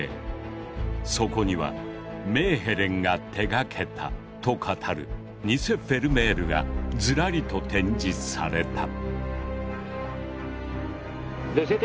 そこにはメーヘレンが手がけたと語るニセ・フェルメールがずらりと展示された。